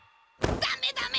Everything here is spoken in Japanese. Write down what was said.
ダメダメ！